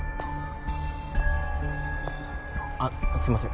あっすいません